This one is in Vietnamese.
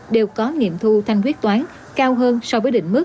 đều có nghiệm thu thanh quyết toán cao hơn so với định mức